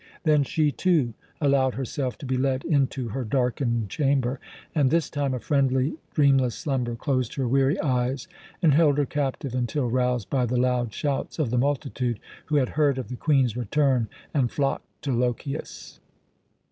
Then she, too, allowed herself to be led into her darkened chamber, and this time a friendly, dreamless slumber closed her weary eyes and held her captive until roused by the loud shouts of the multitude, who had heard of the Queen's return and flocked to Lochias.